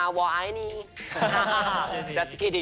สวัสดีค่ะชิคกี้พาย